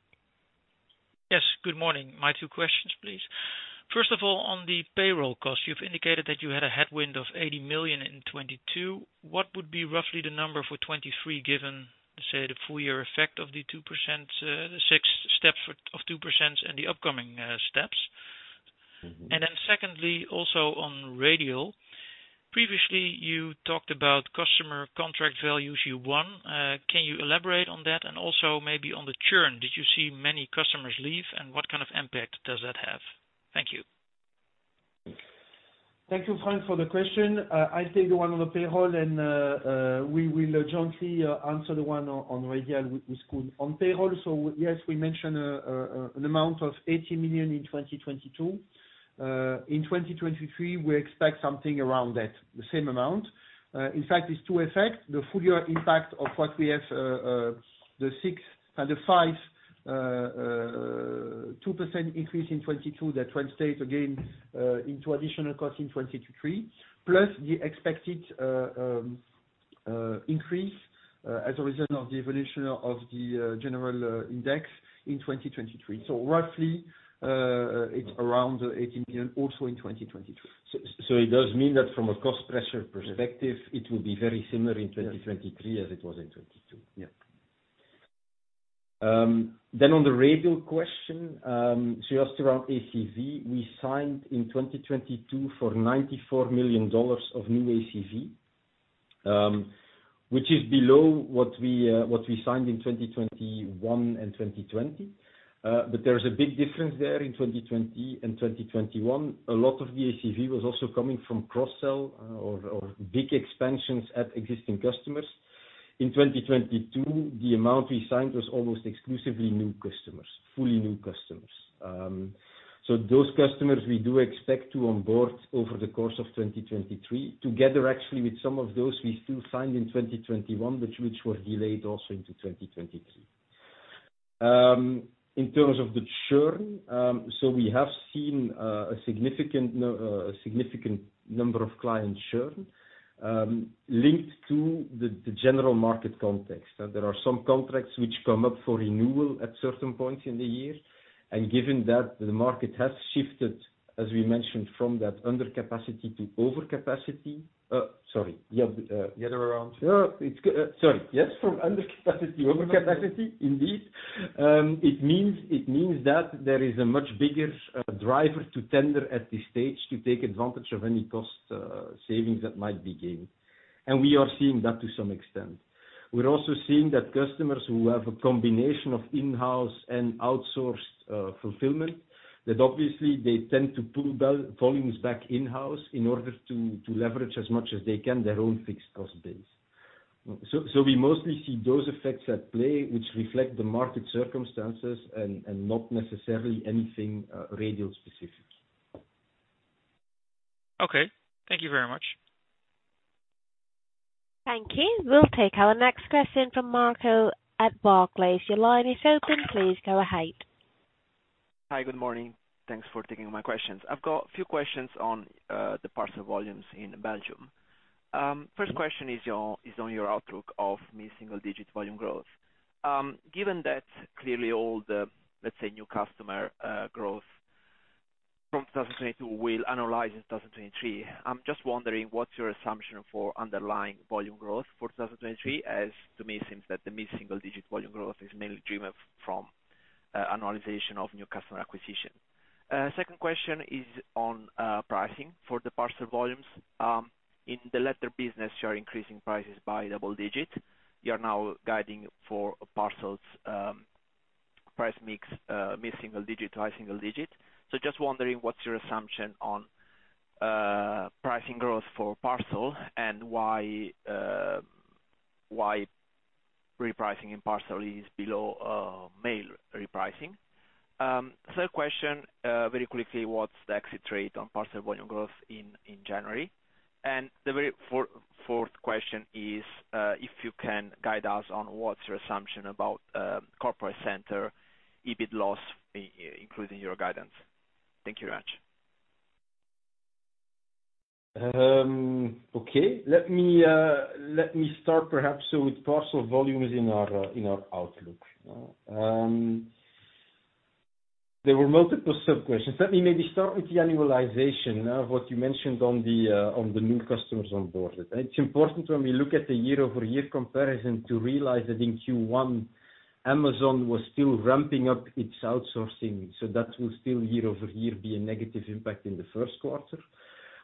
Yes, good morning. My two questions, please. First of all, on the payroll costs, you've indicated that you had a headwind of 80 million in 2022. What would be roughly the number for 2023 given, say, the full-year effect of the 2%, the 6 steps for, of 2% and the upcoming steps? Mm-hmm. Secondly, also on Radial. Previously, you talked about customer contract values you won. Can you elaborate on that? Maybe on the churn, did you see many customers leave, and what kind of impact does that have? Thank you, Frank, for the question. I take the one on the payroll and we will jointly answer the one on Radial with Koen. On payroll, so yes, we mentioned an amount of 80 million in 2022. In 2022, we expect something around that, the same amount. In fact, it's two effects, the full-year impact of what we have, the six and five, 2% increase in 2022 that will stay it again, into additional cost in 2023, plus the expected increase as a result of the evolution of the general index in 2023. So roughly, it's around 18 million also in 2023. it does mean that from a cost pressure perspective, it will be very similar in 2023 as it was in 2022? Yeah. Then on the Radial question, just around ACV, we signed in 2022 for $94 million of new ACV, which is below what we signed in 2021 and 2020. There's a big difference there in 2020 and 2021. A lot of the ACV was also coming from cross sell or big expansions at existing customers. In 2022, the amount we signed was almost exclusively new customers, fully new customers. Those customers we do expect to onboard over the course of 2023, together actually with some of those we still signed in 2021, but which were delayed also into 2023. In terms of the churn, we have seen a significant number of clients churn, linked to the general market context. There are some contracts which come up for renewal at certain points in the year. Given that the market has shifted, as we mentioned from that undercapacity to overcapacity. The other way around. Sorry. Yes, from undercapacity overcapacity, indeed. It means that there is a much bigger driver to tender at this stage to take advantage of any cost savings that might be gained. We are seeing that to some extent. We're also seeing that customers who have a combination of in-house and outsourced fulfillment, that obviously they tend to pull back volumes back in-house in order to leverage as much as they can their own fixed cost base. We mostly see those effects at play, which reflect the market circumstances and not necessarily anything Radial-specific. Okay. Thank you very much. Thank you. We'll take our next question from Marco at Barclays. Your line is open. Please go ahead. Hi, good morning. Thanks for taking my questions. I've got few questions on the parcel volumes in Belgium. First question is on your outlook of mid-single digit-volume growth. Given that clearly all the, let's say, new customer growth from 2022 will analyze in 2023, I'm just wondering what's your assumption for underlying volume growth for 2023, as to me, it seems that the mid-single digit volume growth is mainly driven from annualization of new customer acquisition. Second question is on pricing for the parcel volumes. In the letter business, you are increasing prices by double digit. You are now guiding for parcels, price mix, mid-single-digit to high-single-digit. Just wondering what's your assumption on pricing growth for parcel and why why repricing in parcel is below mail repricing? Third question, very quickly, what's the exit rate on parcel volume growth in January? The very fourth question is, if you can guide us on what's your assumption about corporate center EBIT loss including your guidance. Thank you very much. Okay. Let me, let me start perhaps with parcel volumes in our, in our outlook. There were multiple sub-questions. Let me maybe start with the annualization of what you mentioned on the, on the new customers onboarded. It's important when we look at the year-over-year comparison to realize that in Q1, Amazon was still ramping up its outsourcing, so that will still year-over-year be a negative impact in the first quarter.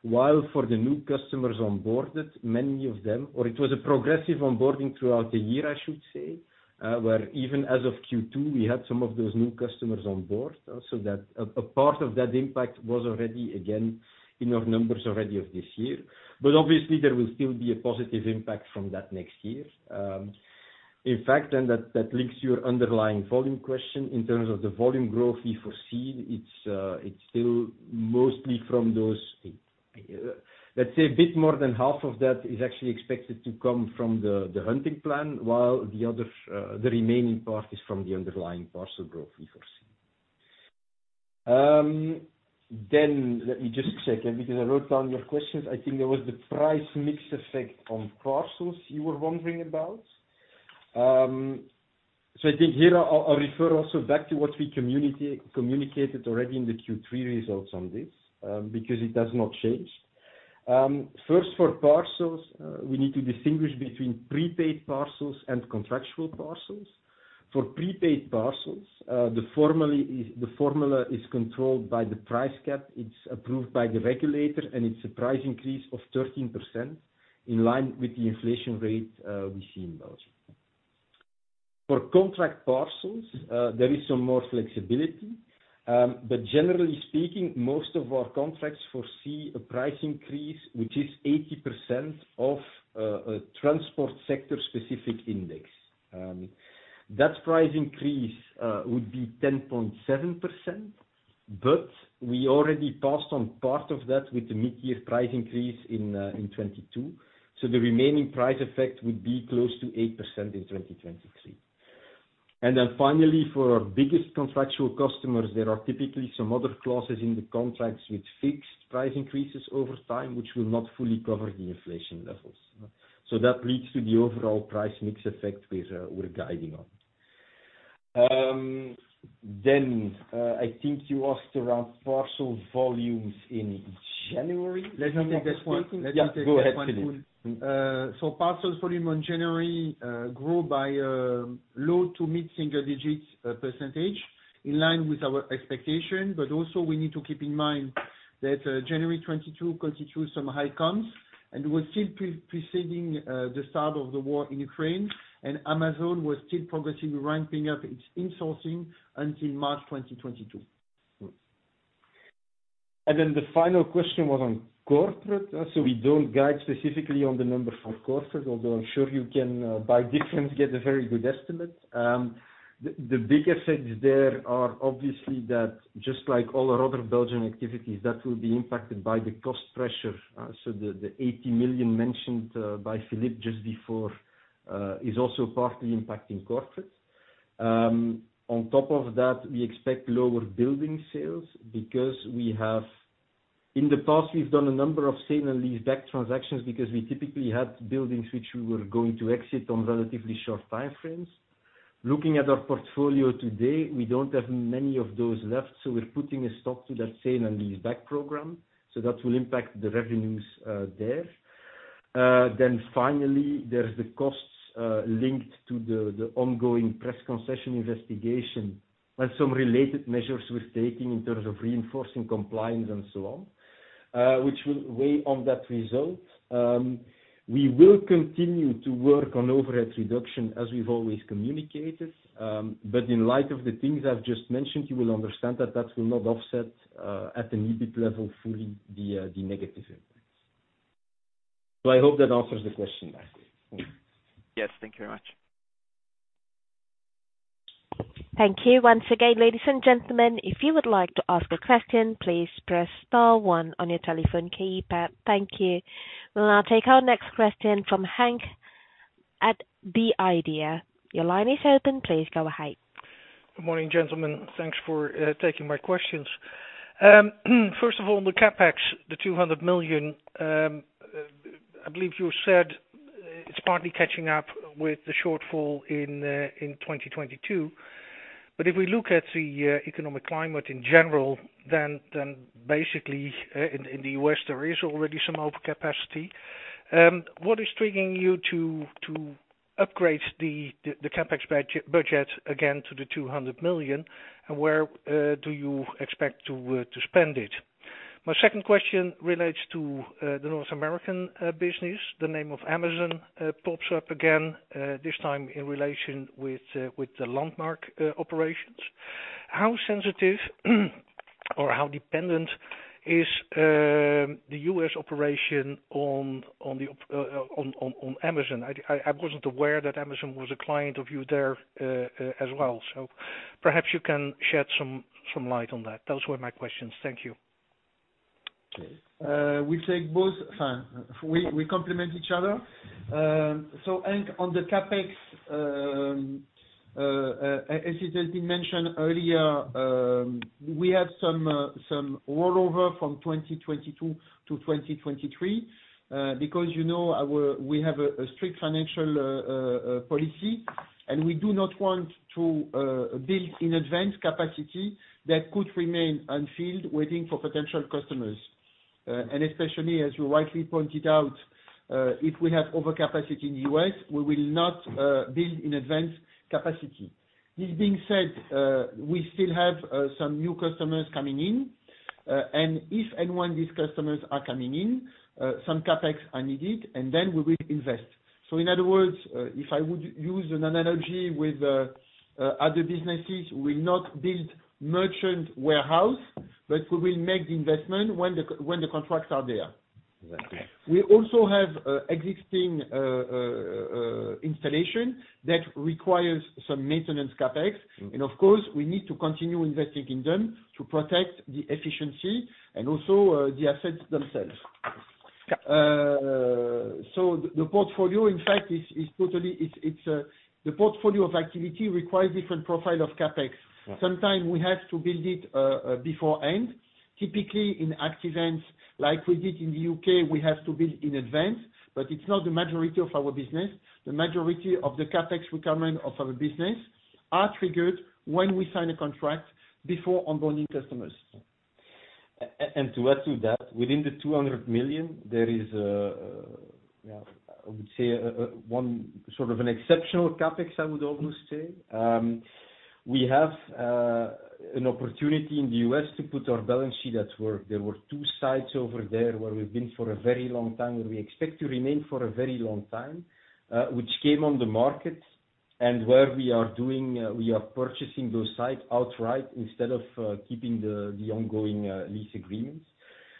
While for the new customers onboarded, many of them. Or it was a progressive onboarding throughout the year, I should say, where even as of Q2, we had some of those new customers on board. That a part of that impact was already, again, in our numbers already of this year. Obviously, there will still be a positive impact from that next year. In fact, that links your underlying volume question. In terms of the volume growth we foresee, it's still mostly from those... Let's say a bit more than half of that is actually expected to come from the hunting plan, while the other remaining part is from the underlying parcel growth we foresee. Let me just check, because I wrote down your questions. I think there was the price mix effect on parcels you were wondering about. I think here I'll refer also back to what we communicated already in the Q3 results on this, because it does not change. First, for parcels, we need to distinguish between prepaid parcels and contractual parcels. For prepaid parcels, the formula is controlled by the price cap. It's approved by the regulator, it's a price increase of 13% in line with the inflation rate we see in Belgium. For contract parcels, there is some more flexibility, generally speaking, most of our contracts foresee a price increase, which is 80% of a transport sector specific index. That price increase would be 10.7%, we already passed on part of that with the mid-year price increase in 2022. The remaining price effect would be close to 8% in 2023. Finally, for our biggest contractual customers, there are typically some other clauses in the contracts with fixed price increases over time, which will not fully cover the inflation levels. That leads to the overall price mix effect we're guiding on. I think you asked around parcel volumes in January. Let me take this one. Yeah. Go ahead, Philippe. Let me take this one, Koen. Parcel volume in January grew by low-to mid-single-digits % in line with our expectation. Also we need to keep in mind that January 2022 constitutes some high cons, and we're still preceding the start of the war in Ukraine, and Amazon was still progressively ramping up its insourcing until March 2022. The final question was on Corporate. We don't guide specifically on the number for corporate, although I'm sure you can by difference, get a very good estimate. The big effects there are obviously that just like all our other Belgian activities, that will be impacted by the cost pressure. The 80 million mentioned by Philippe just before is also partly impacting corporate. On top of that, we expect lower building sales because in the past, we've done a number of sale and leaseback transactions because we typically had buildings which we were going to exit on relatively short time frames. Looking at our portfolio today, we don't have many of those left, so we're putting a stop to that sale and leaseback program. That will impact the revenues there. Then finally, there's the costs linked to the ongoing press concession investigation and some related measures we're taking in terms of reinforcing compliance and so on, which will weigh on that result. We will continue to work on overhead reduction as we've always communicated. But in light of the things I've just mentioned, you will understand that that will not offset at an adjusted EBIT level fully the negative impact. I hope that answers the question, Marco. Yes. Thank you very much. Thank you once again. Ladies and gentlemen, if you would like to ask a question, please press star one on your telephone keypad. Thank you. We'll now take our next question from Henk at The Idea. Your line is open. Please go ahead. Good morning, gentlemen. Thanks for taking my questions. First of all, the CapEx, the 200 million, I believe you said it's partly catching up with the shortfall in 2022. If we look at the economic climate in general then basically in the U.S. there is already some overcapacity. What is triggering you to upgrade the CapEx budget again to the 200 million? Where do you expect to spend it? My second question relates to the North American business. The name of Amazon pops up again this time in relation with the Landmark operations. How sensitive or how dependent is the U.S. operation on the Amazon? I wasn't aware that Amazon was a client of you there, as well. Perhaps you can shed some light on that. Those were my questions. Thank you. We take both... Fine. We, we complement each other. Henk, on the CapEx, as it has been mentioned earlier, we have some rollover from 2022 to 2023, because, you know, our, we have a strict financial policy, and we do not want to build in advanced capacity that could remain unfilled waiting for potential customers. Especially as you rightly pointed out, if we have overcapacity in the U.S., we will not build in advanced capacity. This being said, we still have some new customers coming in, and if any one of these customers are coming in, some CapEx are needed and then we will invest. In other words, if I would use an analogy with other businesses, we will not build merchant warehouse, but we will make the investment when the contracts are there. Exactly. We also have existing installation that requires some maintenance CapEx. Mm-hmm. Of course, we need to continue investing in them to protect the efficiency and also the assets themselves. The portfolio in fact is totally, it's the portfolio of activity requires different profile of CapEx. Yeah. Sometime we have to build it before end. Typically, in Active Ants like we did in the U.K., we have to build in advance, but it's not the majority of our business. The majority of the CapEx requirement of our business are triggered when we sign a contract before onboarding customers. To add to that, within the 200 million, there is, yeah, I would say, one sort of an exceptional CapEx, I would almost say. We have an opportunity in the U.S. to put our balance sheet at work. There were two sites over there where we've been for a very long time, and we expect to remain for a very long time, which came on the market and we are purchasing those site outright instead of keeping the ongoing lease agreements.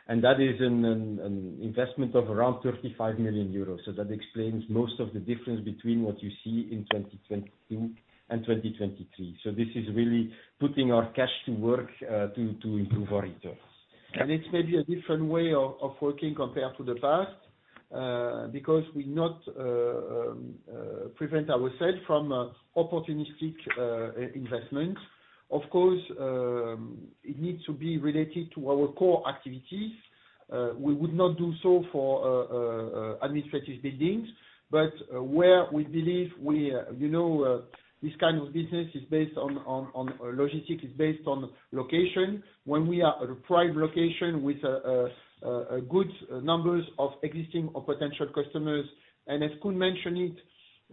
That is an investment of around 55 million euros. That explains most of the difference between what you see in 2022 and 2023. This is really putting our cash to work to improve our returns. It's maybe a different way of working compared to the past, because we not prevent ourselves from opportunistic investment. Of course, it needs to be related to our core activities. We would not do so for administrative buildings, but where we believe we, you know, this kind of business is based on logistics. It's based on location. When we are at a prime location with a good numbers of existing or potential customers, and as Koen mentioned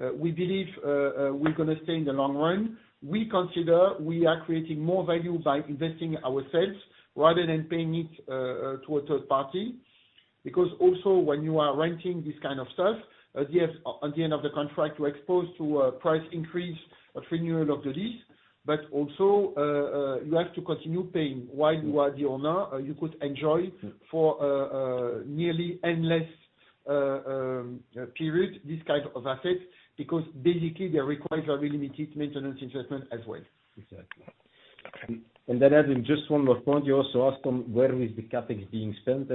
it, we believe we're gonna stay in the long run. We consider we are creating more value by investing ourselves rather than paying it to a third party. Also, when you are renting this kind of stuff, at the end of the contract, you're exposed to a price increase, a renewal of the lease, but also, you have to continue paying. While you are the owner, you could enjoy for nearly endless period, this kind of asset, because basically, they require very limited maintenance investment as well. Exactly. Then adding just one more point, you also asked on where is the CapEx being spent.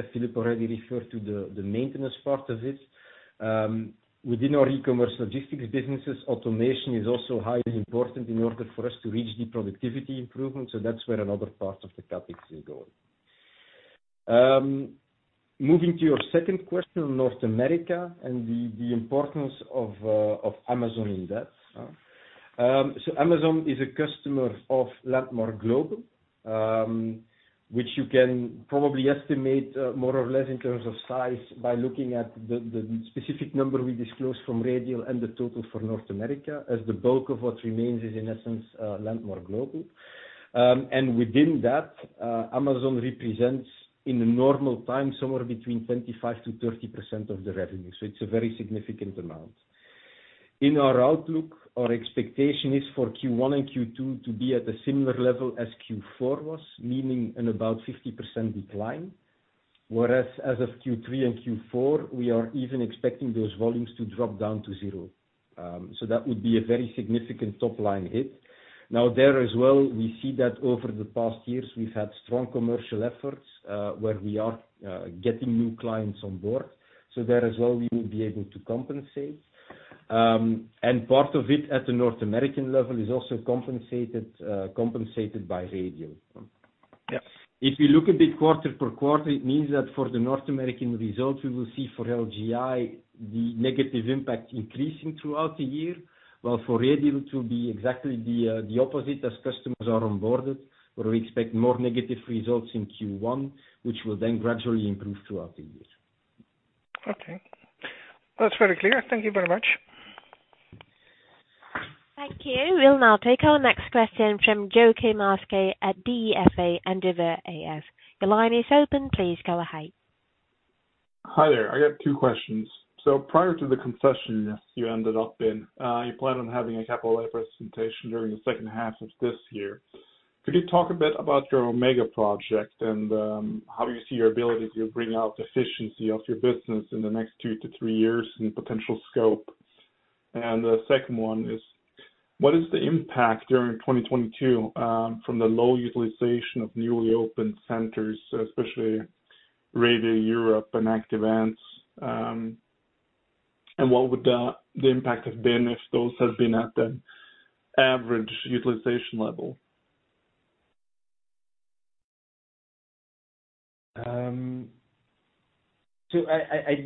Within our e-commerce logistics businesses, automation is also highly important in order for us to reach the productivity improvement. That's where another part of the CapEx is going. Moving to your second question, North America and the importance of Amazon in that. Amazon is a customer of Landmark Global, which you can probably estimate more or less in terms of size by looking at the specific number we disclose from Radial and the total for North America, as the bulk of what remains is, in essence, Landmark Global. Within that, Amazon represents, in the normal time, somewhere between 25%-30% of the revenue. It's a very significant amount. In our outlook, our expectation is for Q1 and Q2 to be at a similar level as Q4 was, meaning an about 50% decline. Whereas as of Q3 and Q4, we are even expecting those volumes to drop down to zero. That would be a very significant top-line hit. Now there as well, we see that over the past years, we've had strong commercial efforts, where we are getting new clients on board. There as well, we will be able to compensate. Part of it at the North American level is also compensated by Radial. Yes. If you look at it quarter per quarter, it means that for the North American results, we will see for LGI, the negative impact increasing throughout the year. While for Radial, it will be exactly the opposite as customers are onboarded. Where we expect more negative results in Q1, which will then gradually improve throughout the year. Okay. That's very clear. Thank you very much. Thank you. We'll now take our next question from Joachim Aske at DEFA and River AF. Your line is open. Please go ahead. Hi there. I got two questions. Prior to the concession you ended up in, you plan on having a capital representation during the second half of this year. Could you talk a bit about your OMEGA project and how you see your ability to bring out efficiency of your business in the next two to three years and potential scope? The second one is, what is the impact during 2022 from the low utilization of newly opened centers, especially Radial Europe and Active Ants? What would the impact have been if those had been at the average utilization level? I'm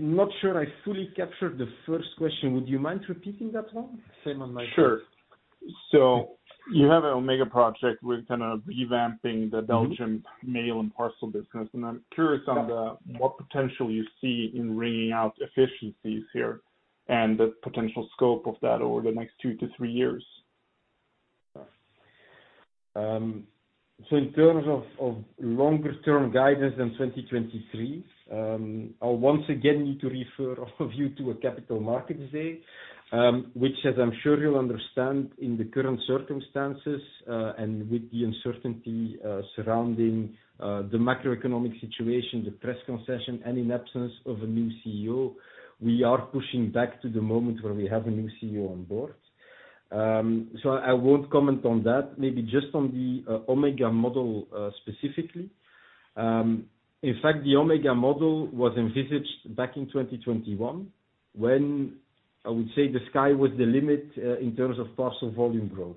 not sure I fully captured the first question. Would you mind repeating that one? Sure. You have an OMEGA project with kind of revamping the Belgium mail and parcel business, and I'm curious on the, what potential you see in wringing out efficiencies here and the potential scope of that over the next two to three years. In terms of longer-term guidance in 2023, I'll once again need to refer all of you to a Capital Markets Day, which as I'm sure you'll understand in the current circumstances, and with the uncertainty surrounding the macroeconomic situation, the press concession, and in absence of a new CEO, we are pushing back to the moment where we have a new CEO on board. I won't comment on that. Maybe just on the OMEGA model specifically. In fact, the OMEGA model was envisaged back in 2021, when I would say the sky was the limit in terms of parcel volume growth.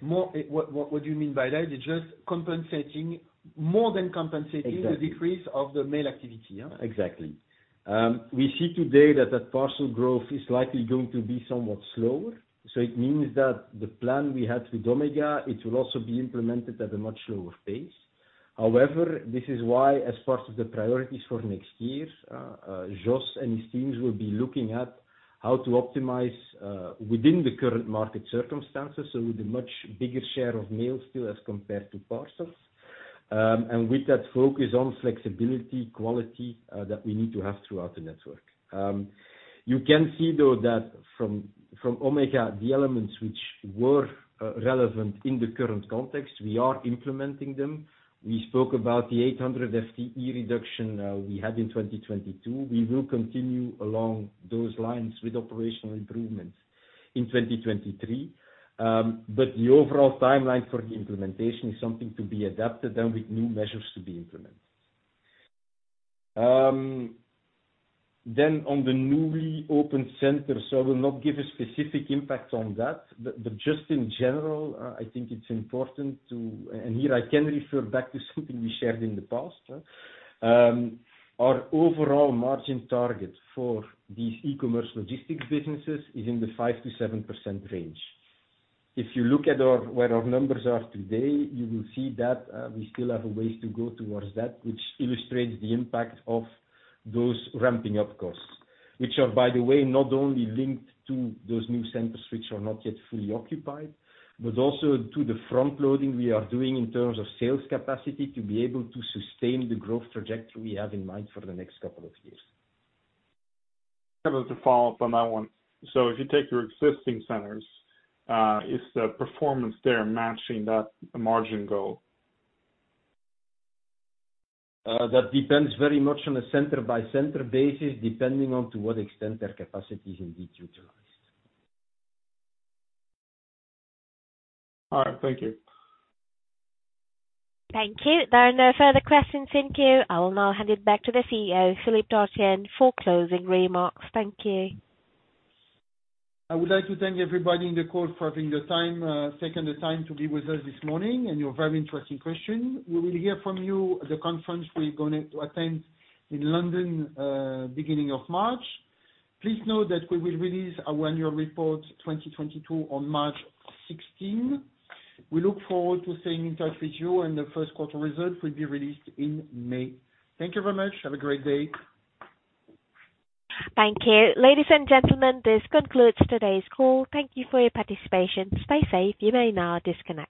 What do you mean by that? It's just compensating... More than that. Exactly. The decrease of the mail activity, yeah? Exactly. We see today that parcel growth is likely going to be somewhat slower. It means that the plan we had with OMEGA, it will also be implemented at a much slower pace. However, this is why as part of the priorities for next year, Jos and his teams will be looking at how to optimize within the current market circumstances, so with a much bigger share of mail still as compared to parcels. With that focus on flexibility, quality, that we need to have throughout the network. You can see though that from OMEGA, the elements which were relevant in the current context, we are implementing them. We spoke about the 800 FTE reduction we had in 2022. We will continue along those lines with operational improvements in 2023. The overall timeline for the implementation is something to be adapted then with new measures to be implemented. On the newly opened centers, I will not give a specific impact on that. Just in general, I think it's important to. And here I can refer back to something we shared in the past. Our overall margin target for these e-commerce logistics businesses is in the 5%-7% range. If you look at our, where our numbers are today, you will see that, we still have a ways to go towards that, which illustrates the impact of those ramping up costs. Which are, by the way, not only linked to those new centers which are not yet fully occupied, but also to the front-loading we are doing in terms of sales capacity to be able to sustain the growth trajectory we have in mind for the next couple of years. Just to follow up on that one. If you take your existing centers, is the performance there matching that margin goal? That depends very much on a center by center basis, depending on to what extent their capacity is indeed utilized. All right, thank you. Thank you. There are no further questions in queue. I will now hand it back to the CEO, Philippe Dartienne, for closing remarks. Thank you. I would like to thank everybody in the call for having the time, second the time to be with us this morning, and your very interesting question. We will hear from you at the conference we're going to attend in London, beginning of March. Please note that we will release our annual report 2022 on March 16. We look forward to staying in touch with you. The first quarter results will be released in May. Thank you very much. Have a great day. Thank you. Ladies and gentlemen, this concludes today's call. Thank you for your participation. Stay safe. You may now disconnect.